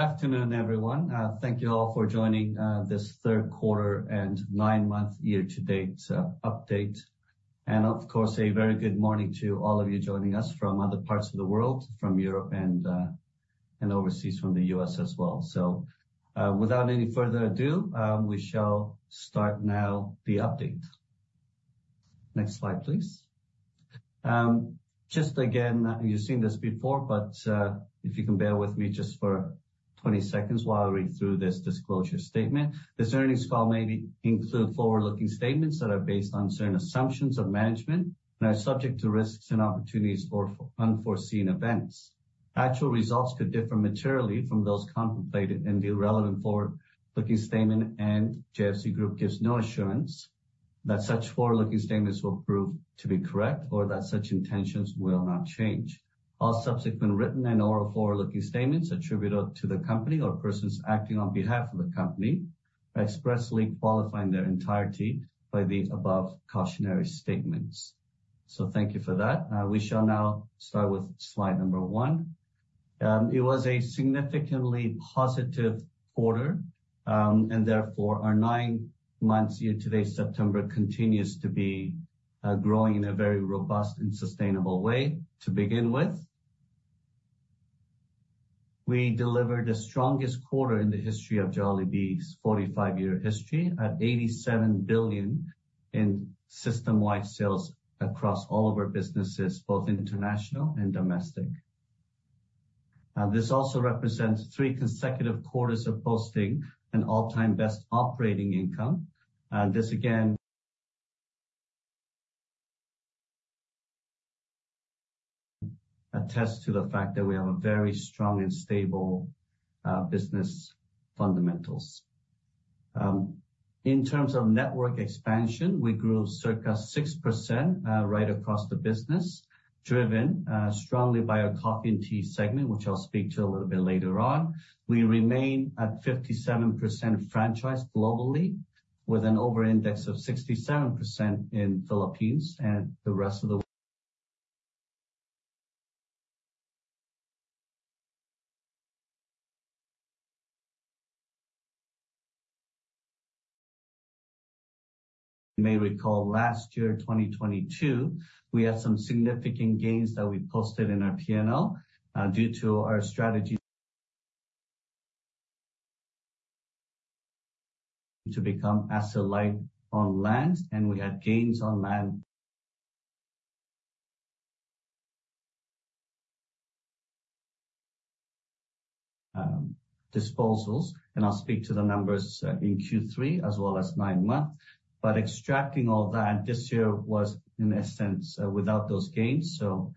Good afternoon, everyone. Thank you all for joining this third quarter and nine-month year-to-date update. Of course, a very good morning to all of you joining us from other parts of the world, from Europe and overseas from the U.S. as well. Without any further ado, we shall start now the update. Next slide, please. Just again, you've seen this before, but if you can bear with me just for 20 seconds while I read through this disclosure statement. This earnings call may include forward-looking statements that are based on certain assumptions of management and are subject to risks and opportunities for unforeseen events. Actual results could differ materially from those contemplated in the relevant forward-looking statement, and JFC Group gives no assurance that such forward-looking statements will prove to be correct, or that such intentions will not change. All subsequent written and oral forward-looking statements attributed to the company or persons acting on behalf of the company are expressly qualifying their entirety by the above cautionary statements. So thank you for that. We shall now start with slide number one. It was a significantly positive quarter, and therefore, our nine months year-to-date, September continues to be, growing in a very robust and sustainable way. To begin with, we delivered the strongest quarter in the history of Jollibee's 45-year history at 87 billion in system-wide sales across all of our businesses, both international and domestic. This also represents three consecutive quarters of posting an all-time best operating income. This, again, attests to the fact that we have a very strong and stable business fundamentals. In terms of network expansion, we grew circa 6% right across the business, driven strongly by our coffee and tea segment, which I'll speak to a little bit later on. We remain at 57% franchise globally, with an overindex of 67% in Philippines and the rest of the. You may recall, last year, 2022, we had some significant gains that we posted in our P&L, due to our strategy to become asset light on lands, and we had gains on land disposals, and I'll speak to the numbers in Q3 as well as nine months. But extracting all that, this year was, in essence, without those gains, so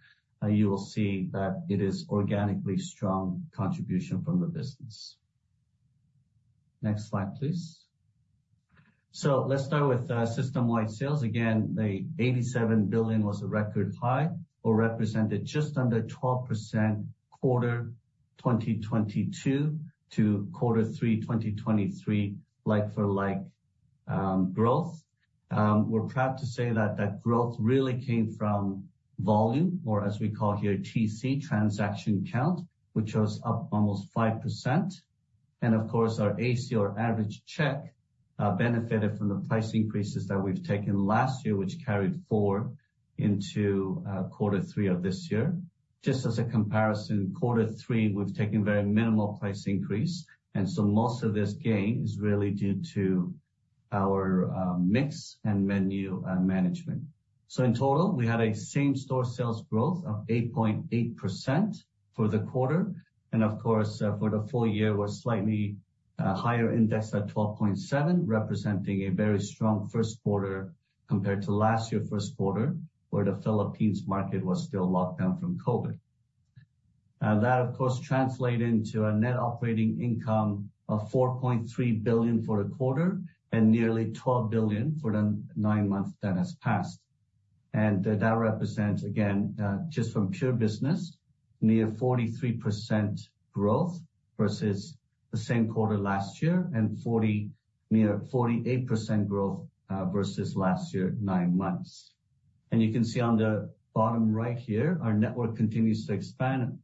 you will see that it is organically strong contribution from the business. Next slide, please. So let's start with system-wide sales. Again, the 87 billion was a record high or represented just under 12% quarter 2022 to quarter 3 2023, like-for-like growth. We're proud to say that that growth really came from volume, or as we call here, TC, transaction count, which was up almost 5%. And of course, our AC, or average check, benefited from the price increases that we've taken last year, which carried forward into quarter 3 of this year. Just as a comparison, quarter 3, we've taken very minimal price increase, and so most of this gain is really due to our mix and menu management. So in total, we had a same-store sales growth of 8.8% for the quarter, and of course, for the full year, was slightly higher index at 12.7, representing a very strong first quarter compared to last year first quarter, where the Philippines market was still locked down from COVID. That, of course, translates into a net operating income of 4.3 billion for the quarter and nearly 12 billion for the nine months that has passed. And that represents, again, just from pure business, near 43% growth versus the same quarter last year, and near 48% growth versus last year, nine months. And you can see on the bottom right here, our network continues to expand.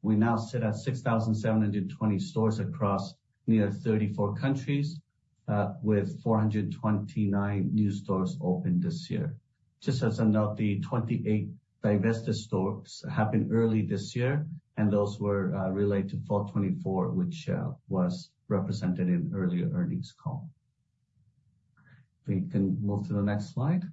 We now sit at 6,720 stores across near 34 countries, with 429 new stores opened this year. Just as a note, the 28 divested stores happened early this year, and those were related to Pho24, which was represented in earlier earnings call. We can move to the next slide.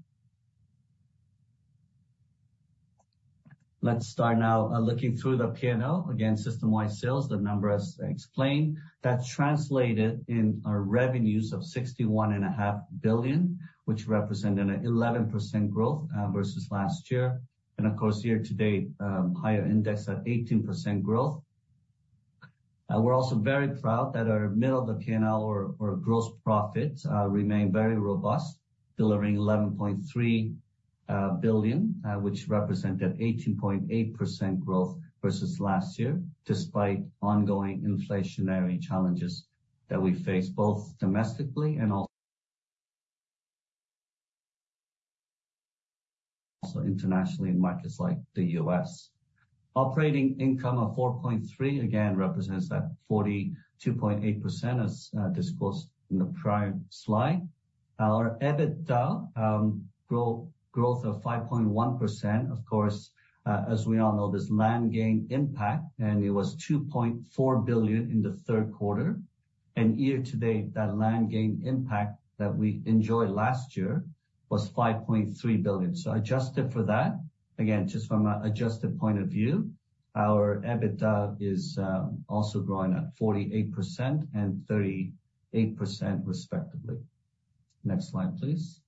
Let's start now looking through the P&L. Again, system-wide sales, the numbers explained. That's translated in our revenues of 61.5 billion, which represented an 11% growth versus last year, and of course, year to date, higher index at 18% growth. We're also very proud that our middle of the P&L or gross profit remained very robust, delivering 11.3 billion, which represented 18.8% growth versus last year, despite ongoing inflationary challenges that we face, both domestically and also internationally in markets like the U.S. Operating income of 4.3 billion again represents that 42.8% as disclosed in the prior slide. Our EBITDA growth of 5.1%, of course, as we all know, there's land gain impact, and it was 2.4 billion in the third quarter. And year-to-date, that land gain impact that we enjoyed last year was 5.3 billion. So adjusted for that, again, just from an adjusted point of view, our EBITDA is also growing at 48% and 38% respectively. Next slide, please.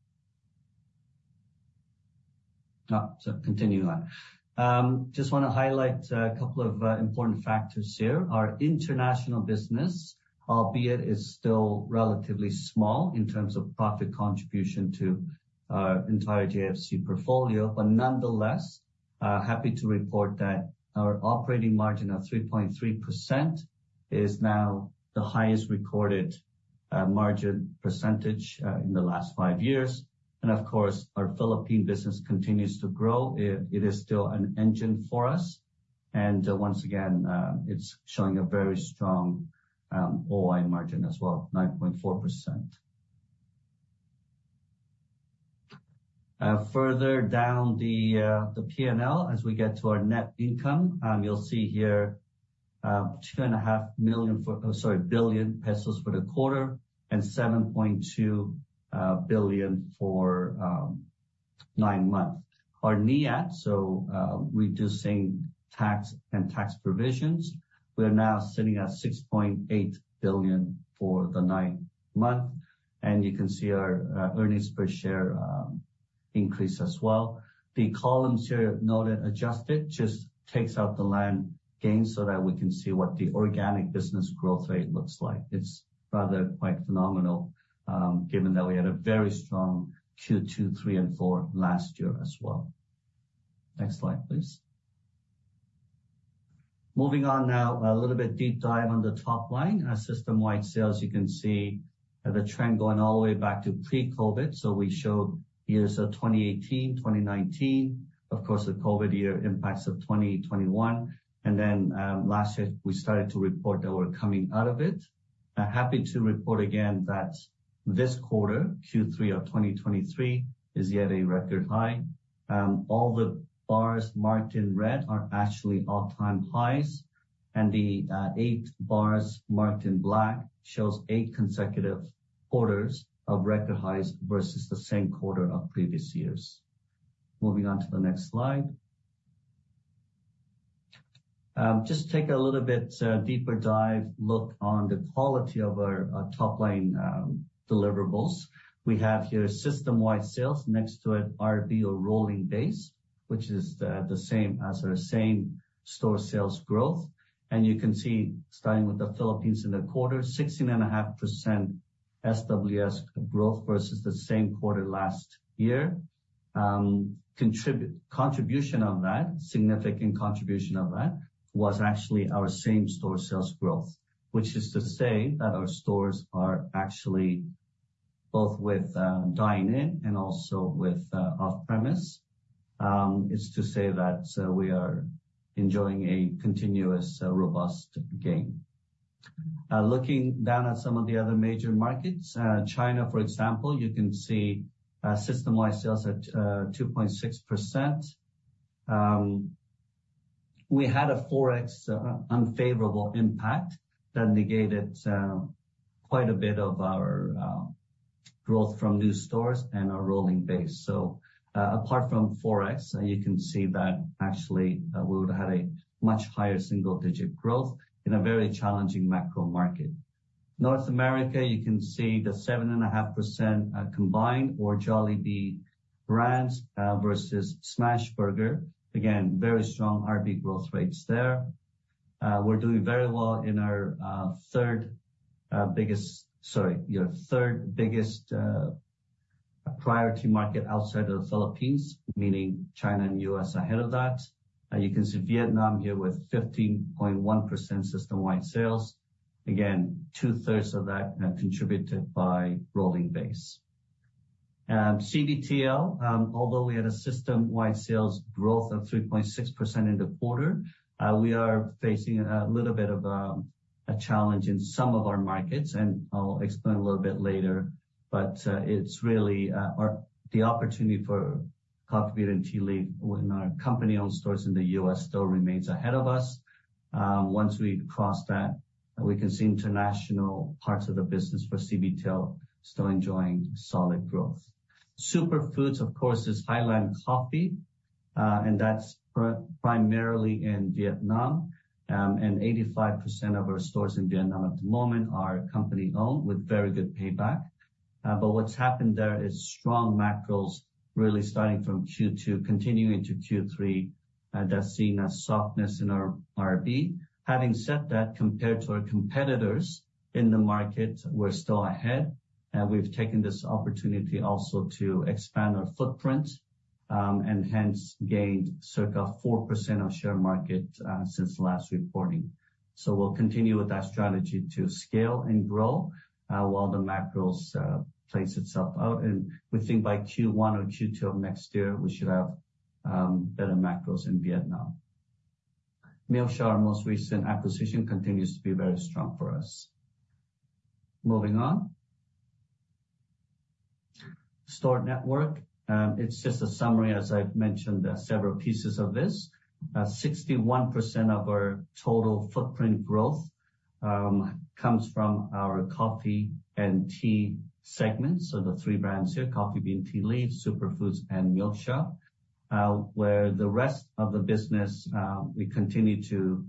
Oh, so continue on. Just wanna highlight a couple of important factors here. Our international business, albeit, is still relatively small in terms of profit contribution to our entire JFC portfolio, but nonetheless, happy to report that our operating margin of 3.3% is now the highest recorded margin percentage in the last five years. And of course, our Philippine business continues to grow. It, it is still an engine for us, and once again, it's showing a very strong OI margin as well, 9.4%. Further down the the P&L, as we get to our net income, you'll see here, two and a half million for oh sorry, 2.5 billion pesos for the quarter, and 7.2 billion for nine months. Our NIAT, so, reducing tax and tax provisions, we're now sitting at 6.8 billion for the nine month, and you can see our earnings per share increase as well. The columns here, noted and adjusted, just takes out the land gains so that we can see what the organic business growth rate looks like. It's rather quite phenomenal, given that we had a very strong Q2, Q3 and Q4 last year as well. Next slide, please. Moving on now, a little bit deep dive on the top line. Our system-wide sales, you can see the trend going all the way back to pre-COVID. So we show years of 2018, 2019, of course, the COVID year impacts of 2021, and then, last year we started to report that we're coming out of it. Happy to report again that this quarter, Q3 of 2023, is yet a record high. All the bars marked in red are actually all-time highs, and the eight bars marked in black shows eight consecutive quarters of record highs versus the same quarter of previous years. Moving on to the next slide. Just take a little bit deeper dive look on the quality of our top-line deliverables. We have here system-wide sales next to an RB or rolling base, which is the same as our same store sales growth. You can see, starting with the Philippines in the quarter, 16.5% SWS growth versus the same quarter last year. The significant contribution of that was actually our same store sales growth, which is to say that our stores are actually both with dine in and also with off-premise. It's to say that we are enjoying a continuous robust gain. Looking down at some of the other major markets, China, for example, you can see system-wide sales at 2.6%. We had a Forex unfavorable impact that negated quite a bit of our growth from new stores and our rolling base. So, apart from Forex, you can see that actually we would had a much higher single digit growth in a very challenging macro market. North America, you can see the 7.5% combined or Jollibee brands versus Smashburger. Again, very strong RB growth rates there. We're doing very well in our, third biggest, sorry, your third biggest, priority market outside of the Philippines, meaning China and U.S. ahead of that. You can see Vietnam here with 15.1% system-wide sales. Again, two-thirds of that contributed by rolling base. CBTL, although we had a system-wide sales growth of 3.6% in the quarter, we are facing a little bit of, a challenge in some of our markets, and I'll explain a little bit later. But, it's really, our- the opportunity for Coffee Bean & Tea Leaf in our company-owned stores in the U.S. still remains ahead of us. Once we cross that, we can see international parts of the business for CBTL still enjoying solid growth. SuperFoods, of course, is Highlands Coffee, and that's primarily in Vietnam. And 85% of our stores in Vietnam at the moment are company-owned with very good payback. But what's happened there is strong macros really starting from Q2, continuing to Q3, that's seen a softness in our RB. Having said that, compared to our competitors in the market, we're still ahead, and we've taken this opportunity also to expand our footprint, and hence gained circa 4% market share, since last reporting. So we'll continue with that strategy to scale and grow, while the macros plays itself out. And we think by Q1 or Q2 of next year, we should have better macros in Vietnam. Milksha, our most recent acquisition, continues to be very strong for us. Moving on. Store network, it's just a summary, as I've mentioned, there are several pieces of this. 61% of our total footprint growth comes from our coffee and tea segments, so the three brands here, Coffee Bean & Tea Leaf, SuperFoods, and Milksha. Where the rest of the business, we continue to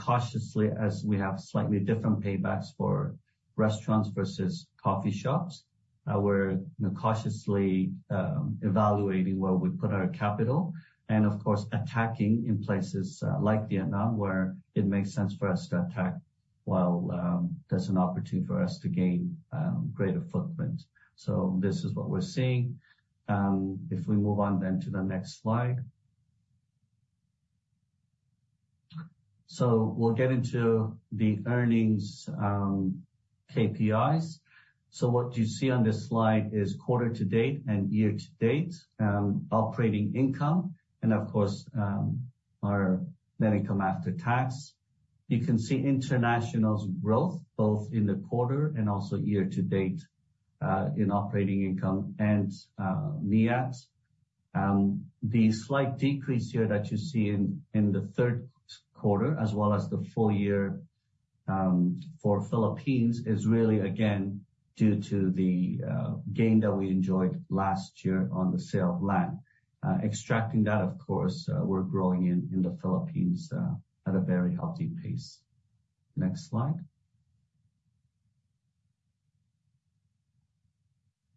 cautiously, as we have slightly different paybacks for restaurants versus coffee shops. We're, you know, cautiously evaluating where we put our capital and, of course, attacking in places, like Vietnam, where it makes sense for us to attack while there's an opportunity for us to gain greater footprint. So this is what we're seeing. If we move on then to the next slide. So we'll get into the earnings KPIs.So what you see on this slide is quarter to date and year to date, operating income and, of course, our net income after tax. You can see international's growth both in the quarter and also year to date, in operating income and, NIAT. The slight decrease here that you see in the third quarter, as well as the full year, for Philippines, is really, again, due to the gain that we enjoyed last year on the sale of land. Extracting that, of course, we're growing in the Philippines, at a very healthy pace. Next slide.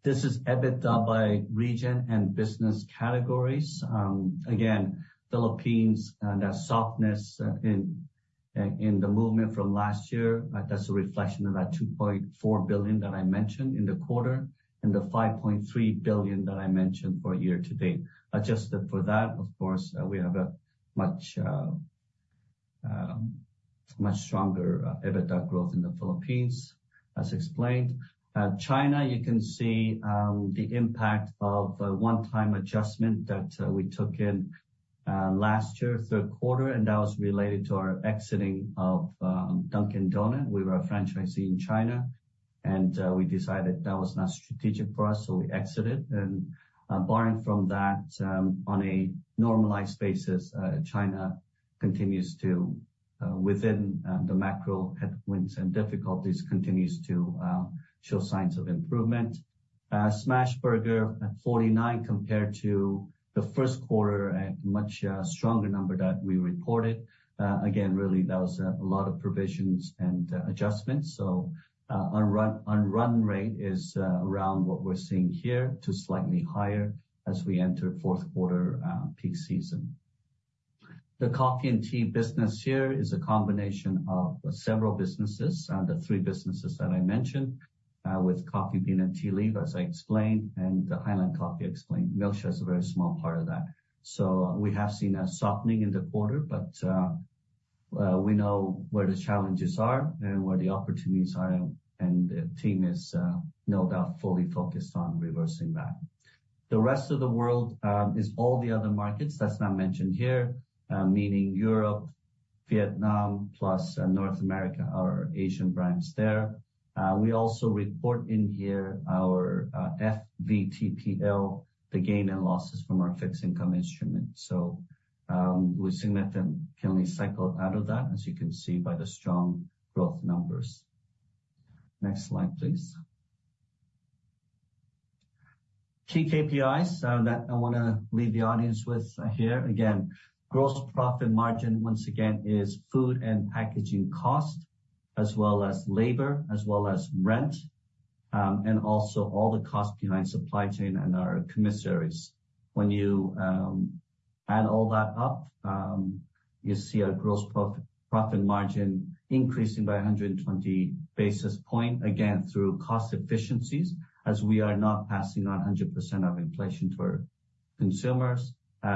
This is EBITDA by region and business categories. Again, Philippines, and that softness in the movement from last year, that's a reflection of that 2.4 billion that I mentioned in the quarter, and the 5.3 billion that I mentioned for year to date. Adjusted for that, of course, we have a much much stronger EBITDA growth in the Philippines, as explained. China, you can see the impact of a one-time adjustment that we took in last year, third quarter, and that was related to our exiting of Dunkin'. We were a franchisee in China, and we decided that was not strategic for us, so we exited. And barring from that, on a normalized basis, China continues to, within the macro headwinds and difficulties, continues to show signs of improvement. Smashburger at 49 compared to the first quarter at much stronger number that we reported. Again, really, that was a lot of provisions and adjustments. So, on run rate is around what we're seeing here to slightly higher as we enter fourth quarter, peak season. The coffee and tea business here is a combination of several businesses, the three businesses that I mentioned, with Coffee Bean & Tea Leaf, as I explained, and the Highlands Coffee, I explained. Milksha is a very small part of that. So we have seen a softening in the quarter, but we know where the challenges are and where the opportunities are, and the team is, no doubt, fully focused on reversing that. The rest of the world is all the other markets that's not mentioned here, meaning Europe, Vietnam, plus North America, our Asian brands there. We also report in here our FVTPL, the gain and losses from our fixed income instrument. So, we're seeing that the economy cycle out of that, as you can see by the strong growth numbers. Next slide, please. Key KPIs that I wanna leave the audience with here. Again, gross profit margin, once again, is food and packaging cost, as well as labor, as well as rent, and also all the costs behind supply chain and our commissaries. When you add all that up, you see our gross profit margin increasing by 100 basis points, again, through cost efficiencies, as we are not passing on 100% of inflation to our consumers,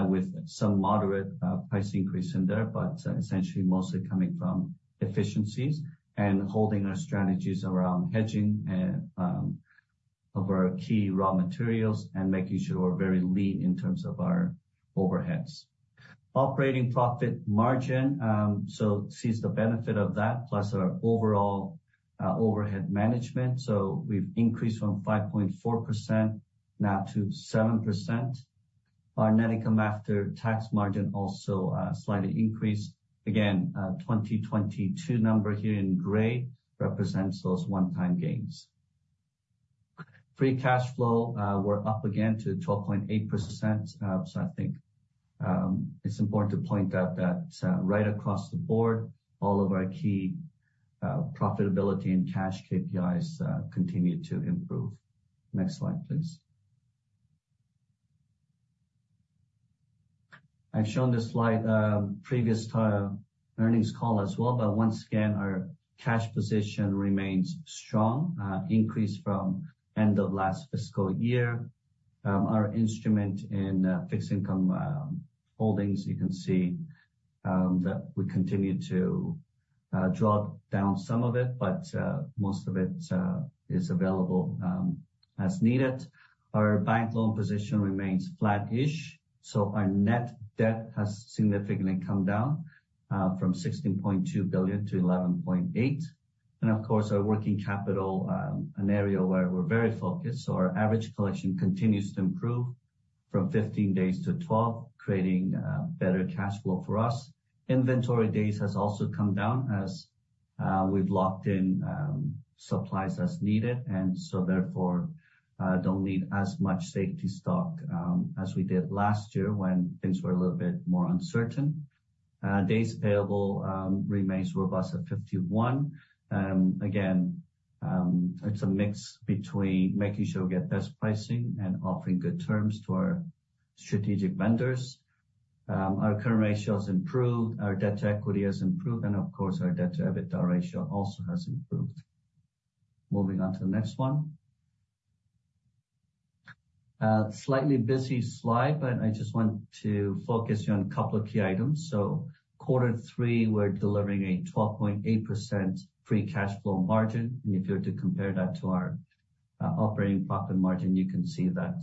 with some moderate price increase in there. But essentially, mostly coming from efficiencies and holding our strategies around hedging and of our key raw materials and making sure we're very lean in terms of our overheads. Operating profit margin so sees the benefit of that, plus our overall overhead management. So we've increased from 5.4% now to 7%. Our net income after tax margin also slightly increased. Again, the 2022 number here in gray represents those one-time gains. Free cash flow, we're up again to 12.8%. So I think it's important to point out that right across the board, all of our key profitability and cash KPIs continue to improve. Next slide, please. I've shown this slide previous earnings call as well, but once again, our cash position remains strong, increased from end of last fiscal year. Our investment in fixed income holdings, you can see that we continue to draw down some of it, but most of it is available as needed. Our bank loan position remains flat-ish, so our net debt has significantly come down from 16.2 billion to 11.8 billion. Of course, our working capital, an area where we're very focused, so our average collection continues to improve from 15 days to 12, creating better cash flow for us. Inventory days has also come down as, we've locked in, supplies as needed, and so therefore, don't need as much safety stock, as we did last year when things were a little bit more uncertain. Days payable remains robust at 51. Again, it's a mix between making sure we get best pricing and offering good terms to our strategic vendors. Our current ratio has improved, our debt to equity has improved, and of course, our debt to EBITDA ratio also has improved. Moving on to the next one. Slightly busy slide, but I just want to focus you on a couple of key items. So quarter three, we're delivering a 12.8% free cash flow margin, and if you were to compare that to our operating profit margin, you can see that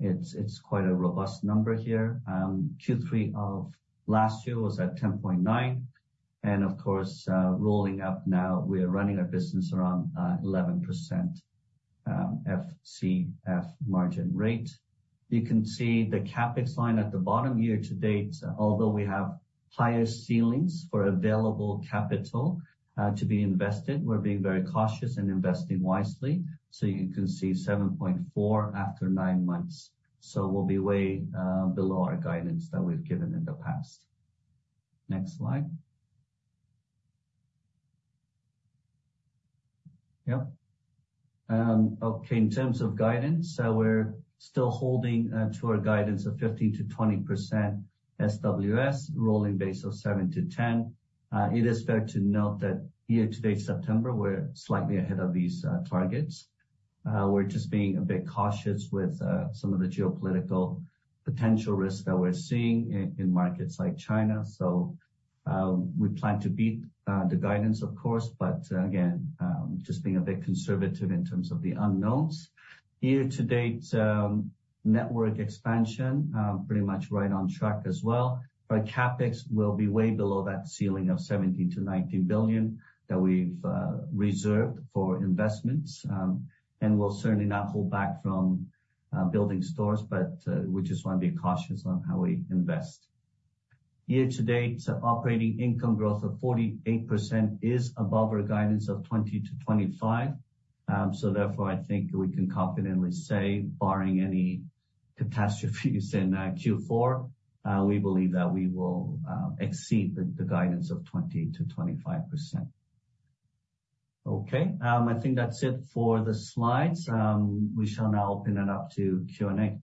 it's quite a robust number here. Q3 of last year was at 10.9, and of course, rolling up now, we are running our business around 11% FCF margin rate. You can see the CapEx line at the bottom year to date. Although we have higher ceilings for available capital to be invested, we're being very cautious and investing wisely, so you can see 7.4 after nine months. So we'll be way below our guidance that we've given in the past. Next slide. Yep. Okay, in terms of guidance, we're still holding to our guidance of 15%-20% SWS, rolling base of 7-10. It is fair to note that year to date, September, we're slightly ahead of these targets. We're just being a bit cautious with some of the geopolitical potential risks that we're seeing in markets like China. So, we plan to beat the guidance, of course, but again, just being a bit conservative in terms of the unknowns. Year to date, network expansion, pretty much right on track as well, but CapEx will be way below that ceiling of 17-19 billion that we've reserved for investments. And we'll certainly not hold back from building stores, but we just want to be cautious on how we invest. Year to date, operating income growth of 48% is above our guidance of 20-25. So therefore, I think we can confidently say, barring any catastrophes in Q4, we believe that we will exceed the guidance of 20%-25%. Okay, I think that's it for the slides. We shall now open it up to Q&A.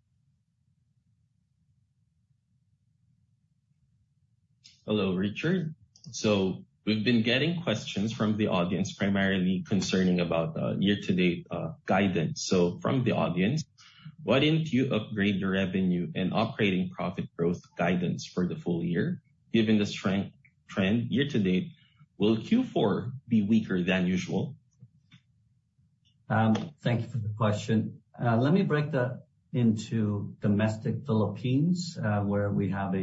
Hello, Richard. So we've been getting questions from the audience, primarily concerning about, year-to-date, guidance. So from the audience, why didn't you upgrade your revenue and operating profit growth guidance for the full year? Given the strength, trend year-to-date, will Q4 be weaker than usual? Thank you for the question. Let me break that into domestic Philippines, where we have,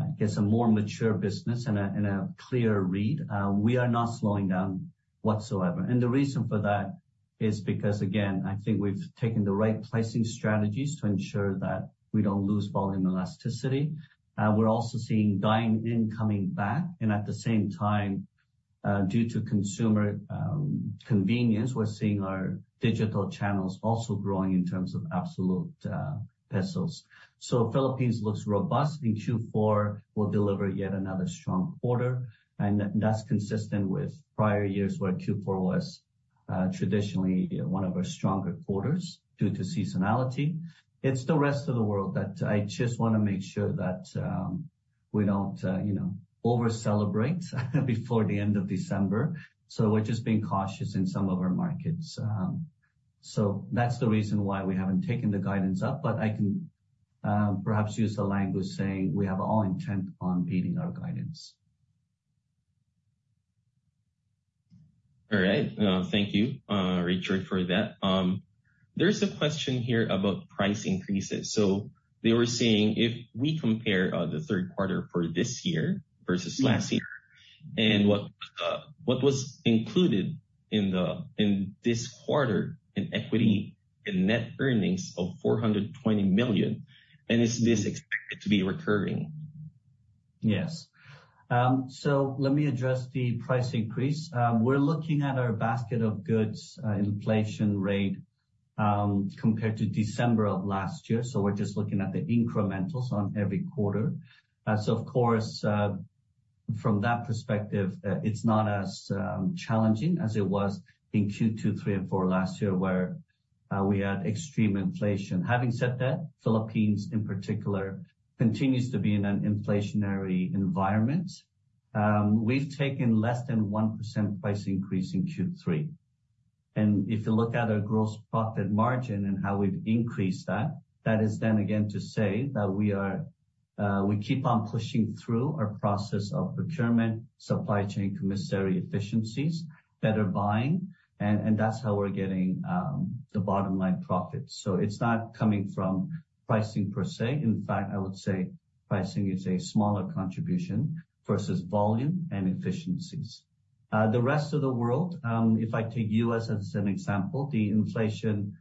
I guess, a more mature business and a clearer read. We are not slowing down whatsoever, and the reason for that is because, again, I think we've taken the right pricing strategies to ensure that we don't lose volume elasticity. We're also seeing dine-in coming back, and at the same time, due to consumer convenience, we're seeing our digital channels also growing in terms of absolute pesos. So Philippines looks robust, and Q4 will deliver yet another strong quarter, and that's consistent with prior years, where Q4 was traditionally one of our stronger quarters due to seasonality. It's the rest of the world that I just wanna make sure that we don't, you know, over celebrate before the end of December. We're just being cautious in some of our markets. That's the reason why we haven't taken the guidance up, but I can perhaps use the language saying we have all intent on beating our guidance. All right. Thank you, Richard, for that. There's a question here about price increases. So they were saying if we compare the third quarter for this year versus last year, and what was included in this quarter in equity in net earnings of 420 million, and is this expected to be recurring? Yes. So let me address the price increase. We're looking at our basket of goods, inflation rate, compared to December of last year, so we're just looking at the incrementals on every quarter. So of course, from that perspective, it's not as challenging as it was in Q2, Q3, and Q4 last year, where we had extreme inflation. Having said that, Philippines, in particular, continues to be in an inflationary environment. We've taken less than 1% price increase in Q3. And if you look at our gross profit margin and how we've increased that, that is then again to say that we are, we keep on pushing through our process of procurement, supply chain, commissary efficiencies, better buying, and that's how we're getting the bottom line profit. So it's not coming from pricing per se. In fact, I would say pricing is a smaller contribution versus volume and efficiencies. The rest of the world, if I take U.S. as an example, the inflation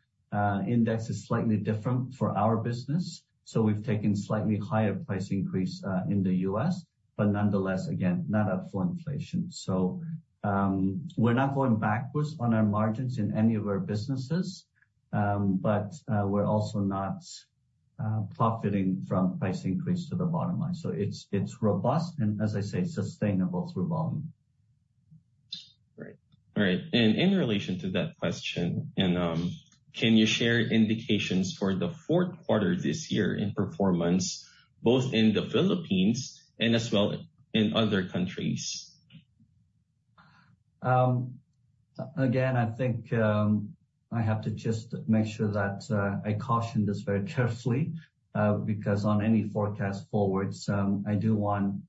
index is slightly different for our business, so we've taken slightly higher price increase in the U.S., but nonetheless, again, not up for inflation. So, we're not going backwards on our margins in any of our businesses, but we're also not profiting from price increase to the bottom line. So it's, it's robust and, as I say, sustainable through volume. Great. All right, and in relation to that question, can you share indications for the fourth quarter this year in performance, both in the Philippines and as well in other countries? Again, I think, I have to just make sure that I caution this very carefully, because on any forecast forwards, I do want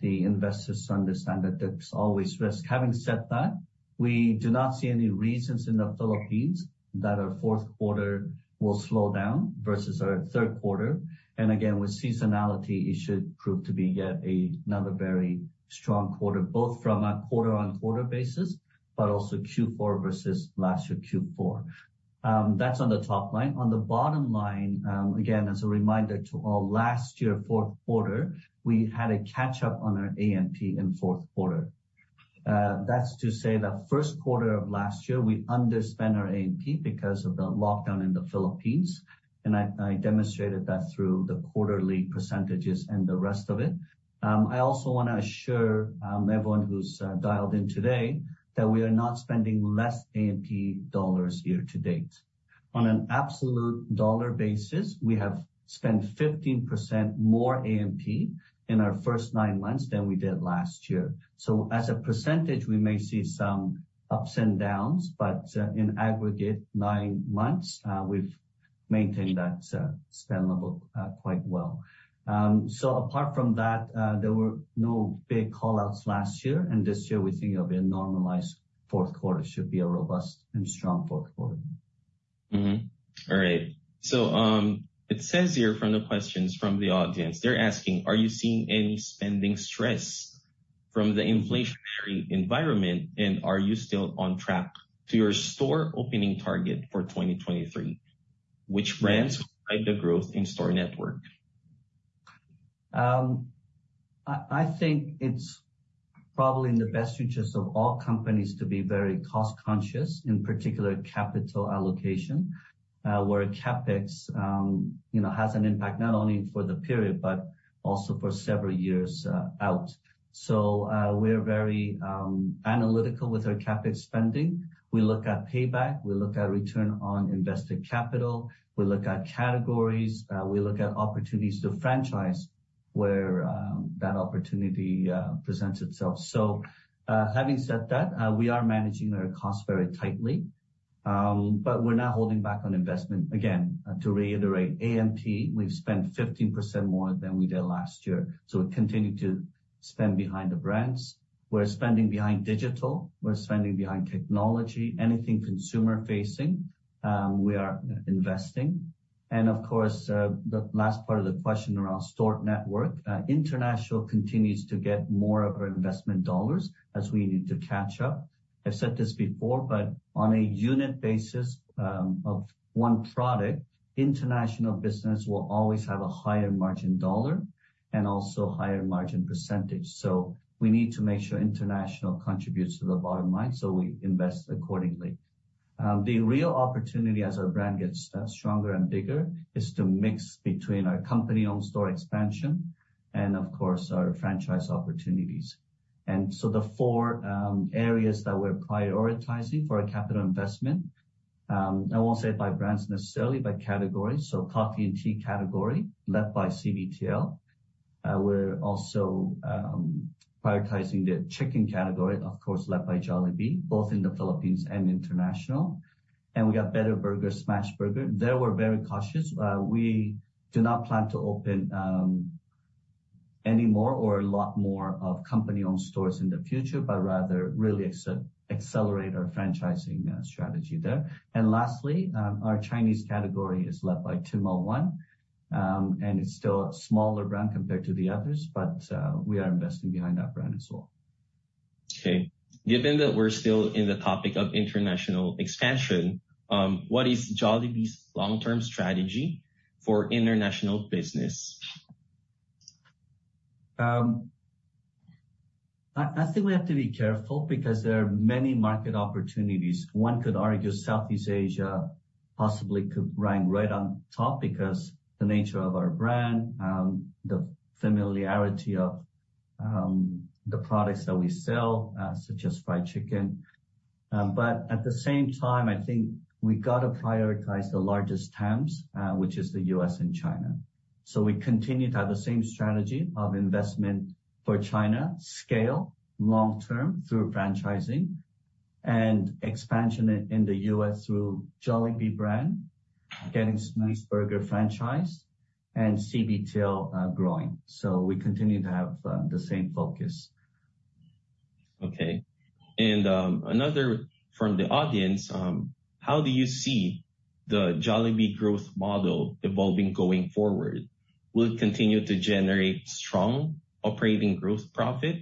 the investors to understand that there's always risk. Having said that, we do not see any reasons in the Philippines that our fourth quarter will slow down versus our third quarter. And again, with seasonality, it should prove to be yet another very strong quarter, both from a quarter-on-quarter basis, but also Q4 versus last year's Q4. That's on the top line. On the bottom line, again, as a reminder to all, last year, fourth quarter, we had a catch-up on our A&P in fourth quarter. That's to say that first quarter of last year, we underspent our A&P because of the lockdown in the Philippines, and I, I demonstrated that through the quarterly percentages and the rest of it. I also wanna assure everyone who's dialed in today, that we are not spending less A&P dollars year to date. On an absolute dollar basis, we have spent 15% more A&P in our first nine months than we did last year. So as a percentage, we may see some ups and downs, but in aggregate, nine months, we've maintained that spend level quite well. So apart from that, there were no big call-outs last year, and this year we think it'll be a normalized fourth quarter. Should be a robust and strong fourth quarter. Mm-hmm. All right. So, it says here from the questions from the audience, they're asking, "Are you seeing any spending stress from the inflationary environment, and are you still on track to your store opening target for 2023? Which brands provide the growth in store network? I think it's probably in the best interest of all companies to be very cost conscious, in particular capital allocation, where CapEx, you know, has an impact, not only for the period but also for several years out. So, we're very analytical with our CapEx spending. We look at payback, we look at return on invested capital, we look at categories, we look at opportunities to franchise where that opportunity presents itself. So, having said that, we are managing our costs very tightly, but we're not holding back on investment. Again to reiterate A&P, we've spent 15% more than we did last year, so we're continuing to spend behind the brands. We're spending behind digital, we're spending behind technology. Anything consumer-facing, we are investing. And of course, the last part of the question around store network, international continues to get more of our investment dollars as we need to catch up. I've said this before, but on a unit basis, of one product, international business will always have a higher margin dollar and also higher margin percentage. So we need to make sure international contributes to the bottom line, so we invest accordingly. The real opportunity as our brand gets stronger and bigger, is to mix between our company-owned store expansion and, of course, our franchise opportunities. And so the four areas that we're prioritizing for our capital investment, I won't say it by brands necessarily, by category, so coffee and tea category, led by CBTL. We're also prioritizing the chicken category, of course, led by Jollibee, both in the Philippines and international. And we got Better Burger, Smashburger. There, we're very cautious. We do not plan to open any more or a lot more of company-owned stores in the future, but rather really accelerate our franchising strategy there. And lastly, our Chinese category is led by Tim Ho Wan, and it's still a smaller brand compared to the others, but we are investing behind that brand as well. Okay. Given that we're still in the topic of international expansion, what is Jollibee's long-term strategy for international business? I think we have to be careful because there are many market opportunities. One could argue Southeast Asia possibly could rank right on top because the nature of our brand, the familiarity of, the products that we sell, such as fried chicken. But at the same time, I think we've got to prioritize the largest TAMs, which is the U.S. and China. So we continue to have the same strategy of investment for China, scale long term through franchising and expansion in the U.S. through Jollibee brand, getting Smashburger franchise, and CBTL, growing. So we continue to have the same focus. Okay. And, another from the audience, how do you see the Jollibee growth model evolving going forward? Will it continue to generate strong operating growth profit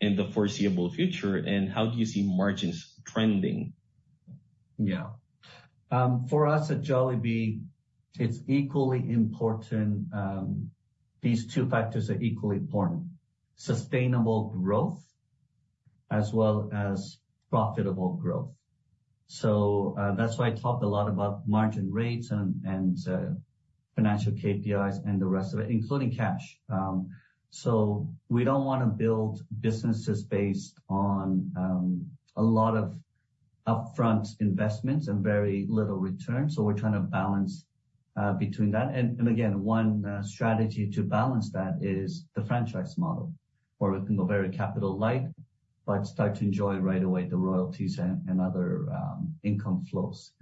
in the foreseeable future? And how do you see margins trending? Yeah. For us at Jollibee, it's equally important, these two factors are equally important: sustainable growth as well as profitable growth. So, that's why I talked a lot about margin rates and, and, financial KPIs and the rest of it, including cash. So we don't wanna build businesses based on, a lot of upfront investments and very little return, so we're trying to balance, between that. And, and again, one, strategy to balance that is the franchise model, where we can go very capital light but start to enjoy right away the royalties and, and other, income flows.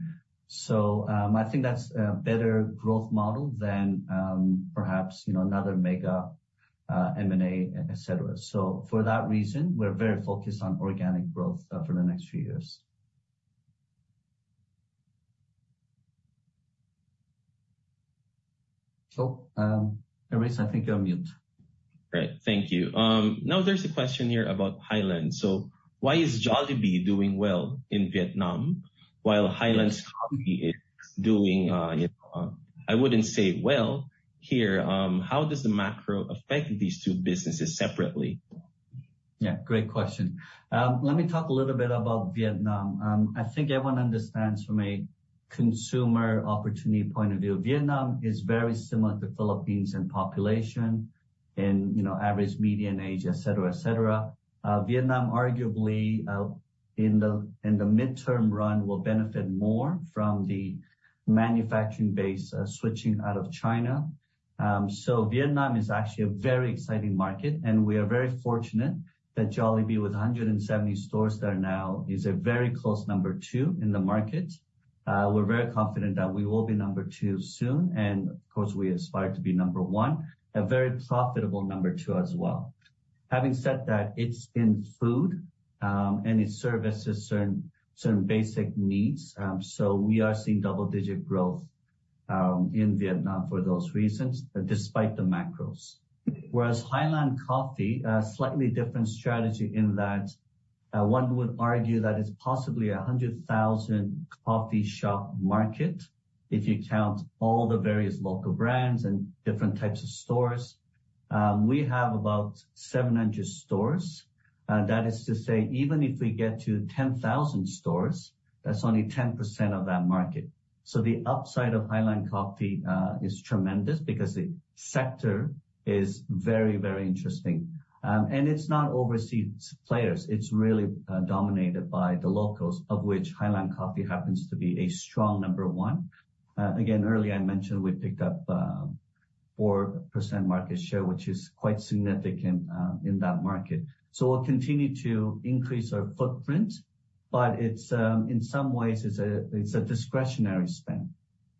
So, I think that's a better growth model than, perhaps, you know, another mega, M&A, et cetera. So for that reason, we're very focused on organic growth, for the next few years. So, Reese, I think you're on mute. Great. Thank you. Now there's a question here about Highlands. So why is Jollibee doing well in Vietnam while Highlands Coffee is doing, you know, I wouldn't say well here? How does the macro affect these two businesses separately? Yeah, great question. Let me talk a little bit about Vietnam. I think everyone understands from a consumer opportunity point of view, Vietnam is very similar to Philippines in population and, you know, average median age, et cetera, et cetera. Vietnam, arguably, in the midterm run, will benefit more from the manufacturing base, switching out of China. So Vietnam is actually a very exciting market, and we are very fortunate that Jollibee, with 170 stores there now, is a very close number two in the market. We're very confident that we will be number two soon, and of course, we aspire to be number one, a very profitable number two as well. Having said that, it's in food, and it services certain, certain basic needs, so we are seeing double-digit growth in Vietnam for those reasons, despite the macros. Whereas Highlands Coffee, a slightly different strategy in that, one would argue that it's possibly a 100,000 coffee shop market if you count all the various local brands and different types of stores. We have about 700 stores. That is to say, even if we get to 10,000 stores, that's only 10% of that market. So the upside of Highlands Coffee is tremendous because the sector is very, very interesting. And it's not overseas players. It's really dominated by the locals, of which Highlands Coffee happens to be a strong number one. Again, earlier I mentioned we picked up 4% market share, which is quite significant in that market. So we'll continue to increase our footprint, but it's, in some ways, it's a discretionary spend,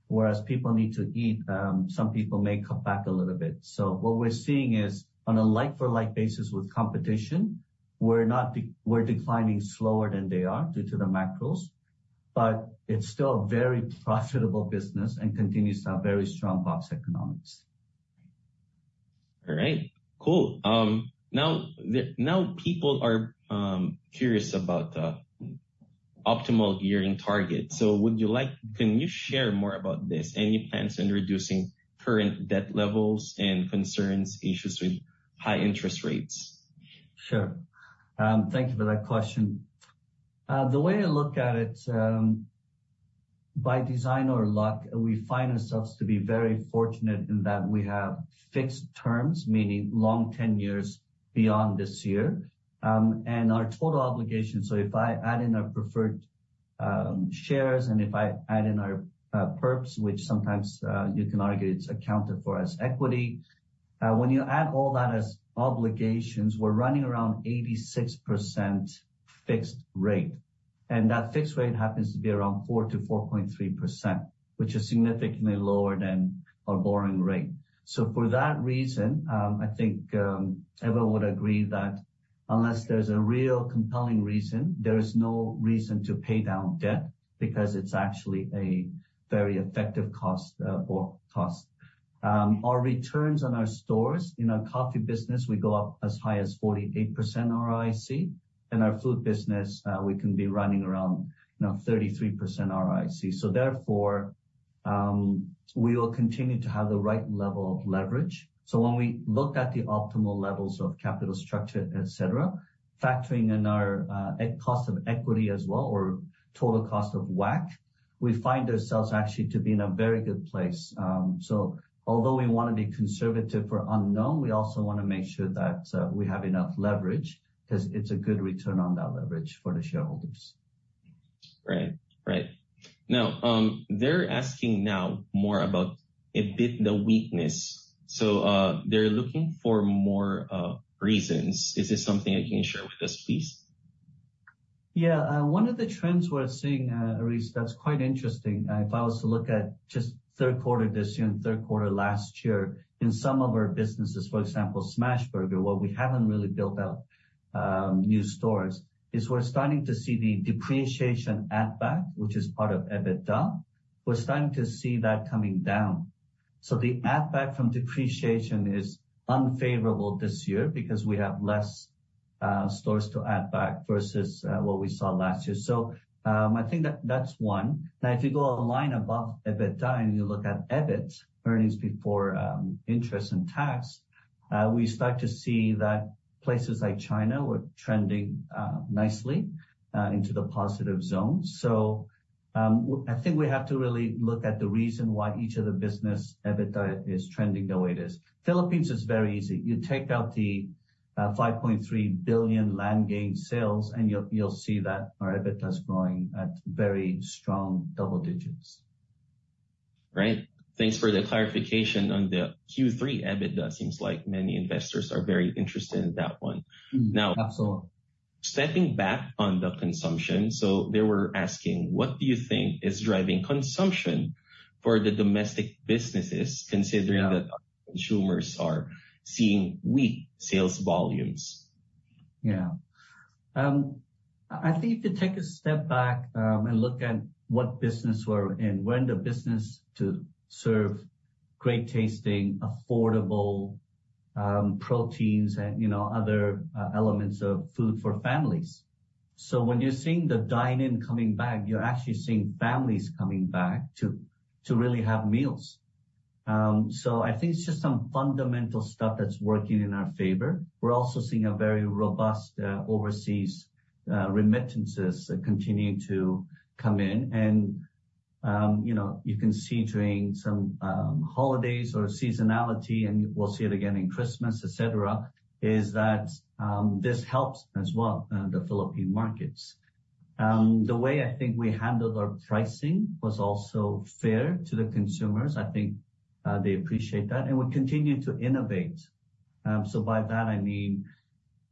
whereas people need to eat, some people may cut back a little bit. So what we're seeing is, on a like-for-like basis with competition, we're declining slower than they are due to the macros, but it's still a very profitable business and continues to have very strong box economics. All right. Cool. Now people are curious about optimal gearing target. So would you like, can you share more about this? Any plans in reducing current debt levels and concerns, issues with high interest rates? Sure. Thank you for that question. The way I look at it, by design or luck, we find ourselves to be very fortunate in that we have fixed terms, meaning long tenures beyond this year, and our total obligations. So if I add in our preferred, shares, and if I add in our, perps, which sometimes, you can argue it's accounted for as equity, when you add all that as obligations, we're running around 86% fixed rate, and that fixed rate happens to be around 4%-4.3%, which is significantly lower than our borrowing rate. So for that reason, I think, everyone would agree that unless there's a real compelling reason, there is no reason to pay down debt, because it's actually a very effective cost, or cost. Our returns on our stores in our coffee business, we go up as high as 48% ROIC. In our food business, we can be running around, you know, 33% ROIC. So therefore, we will continue to have the right level of leverage. So when we look at the optimal levels of capital structure, et cetera, factoring in our cost of equity as well, or total cost of WACC, we find ourselves actually to be in a very good place. So although we want to be conservative for unknown, we also want to make sure that we have enough leverage, because it's a good return on that leverage for the shareholders. Right, right. Now, they're asking now more about EBITDA weakness. So, they're looking for more reasons. Is this something you can share with us, please? Yeah. One of the trends we're seeing, Reese, that's quite interesting, if I was to look at just third quarter this year and third quarter last year, in some of our businesses, for example, Smashburger, where we haven't really built out new stores, is we're starting to see the depreciation add back, which is part of EBITDA. We're starting to see that coming down. So the add back from depreciation is unfavorable this year because we have less stores to add back versus what we saw last year. So, I think that's one. Now, if you go a line above EBITDA and you look at EBIT, earnings before interest and tax, we start to see that places like China were trending nicely into the positive zone. So, I think we have to really look at the reason why each of the business EBITDA is trending the way it is. Philippines is very easy. You take out the 5.3 billion land gain sales, and you'll see that our EBITDA is growing at very strong double digits. Right. Thanks for the clarification on the Q3 EBITDA. Seems like many investors are very interested in that one. Mm-hmm. Absolutely. Now, stepping back on the consumption, so they were asking, what do you think is driving consumption for the domestic businesses? Considering that consumers are seeing weak sales volumes? Yeah. I think if you take a step back, and look at what business we're in, we're in the business to serve great-tasting, affordable, proteins and, you know, other, elements of food for families. So when you're seeing the dine-in coming back, you're actually seeing families coming back to really have meals. So I think it's just some fundamental stuff that's working in our favor. We're also seeing a very robust, overseas, remittances continuing to come in. And, you know, you can see during some, holidays or seasonality, and you will see it again in Christmas, et cetera, is that, this helps as well, the Philippine markets. The way I think we handled our pricing was also fair to the consumers. I think, they appreciate that, and we continue to innovate. So by that I mean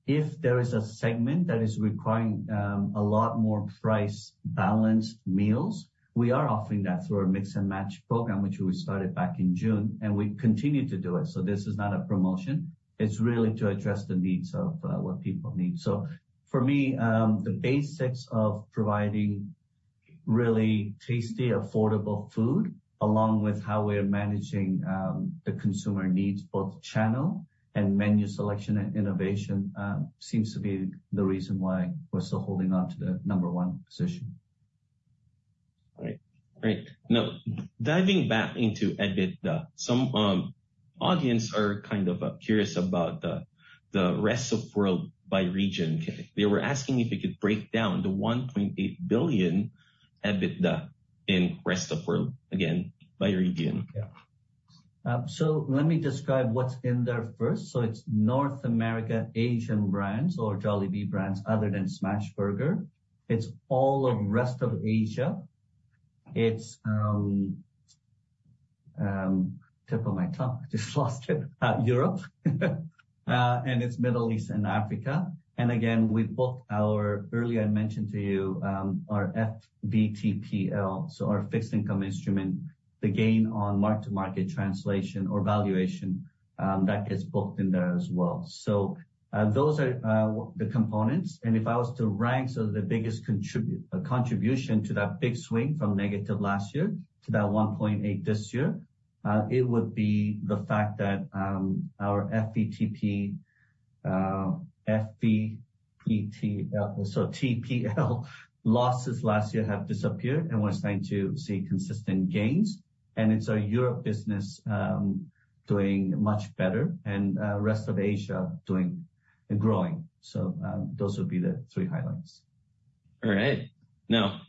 if there is a segment that is requiring a lot more price-balanced meals, we are offering that through our Mix & Match program, which we started back in June, and we continue to do it. So this is not a promotion. It's really to address the needs of what people need. So for me, the basics of providing really tasty, affordable food, along with how we're managing the consumer needs, both channel and menu selection and innovation, seems to be the reason why we're still holding on to the number one position. Right. Great. Now, diving back into EBITDA, some audience are kind of curious about the Rest of the World by region. They were asking if you could break down the 1.8 billion EBITDA in Rest of the World, again, by region. Yeah. So let me describe what's in there first. So it's North America, Asian brands or Jollibee brands other than Smashburger. It's all of rest of Asia. It's, tip of my tongue, just lost it. Europe, and it's Middle East and Africa. And again, we booked our, earlier I mentioned to you, our FVTPL, so our fixed income instrument, the gain on mark-to-market translation or valuation, that gets booked in there as well. Those are the components, and if I was to rank, the biggest contribution to that big swing from negative last year to 1.8 this year, it would be the fact that our FVTPL losses last year have disappeared, and we're starting to see consistent gains, and it's our Europe business doing much better and rest of Asia doing and growing. So, those would be the three highlights. All right. Now,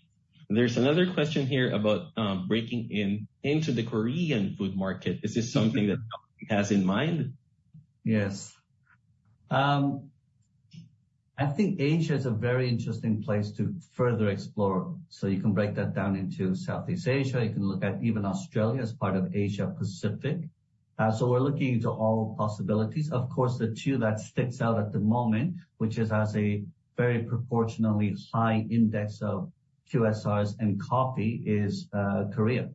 there's another question here about breaking in into the Korean food market. Is this something that company has in mind? Yes. I think Asia is a very interesting place to further explore. So you can break that down into Southeast Asia. You can look at even Australia as part of Asia Pacific. So we're looking into all possibilities. Of course, the two that sticks out at the moment, which has a very proportionately high index of QSRs and coffee, is Korea.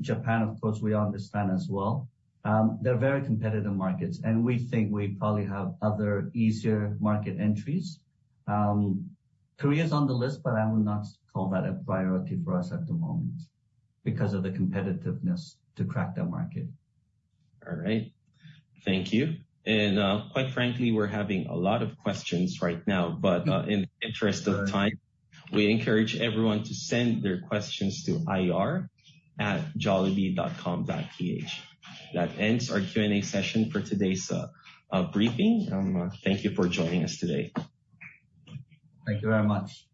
Japan, of course, we understand as well. They're very competitive markets, and we think we probably have other easier market entries. Korea's on the list, but I would not call that a priority for us at the moment because of the competitiveness to crack that market. All right. Thank you. And, quite frankly, we're having a lot of questions right now, but in the interest of time, we encourage everyone to send their questions to ir@jollibee.com.ph. That ends our Q&A session for today's briefing. Thank you for joining us today. Thank you very much.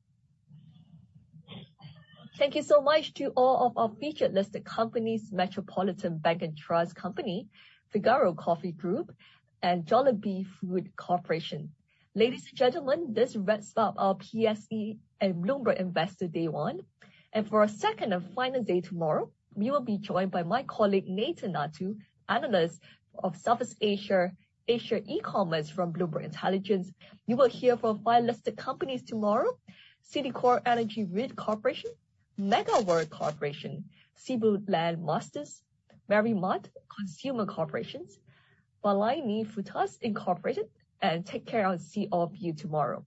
Thank you so much to all of our featured listed companies, Metropolitan Bank & Trust Company, Figaro Coffee Group, and Jollibee Foods Corporation. Ladies and gentlemen, this wraps up our PSE and Bloomberg Investor Day one, and for our second and final day tomorrow, we will be joined by my colleague, Nathan Naidu, analyst of Southeast Asia, Asia E-commerce from Bloomberg Intelligence. You will hear from five listed companies tomorrow, Citicore Energy REIT Corporation, Megaworld Corporation, Cebu Landmasters, MerryMart Consumer Corp., Balai ni Fruitas Inc., and take care. I'll see all of you tomorrow.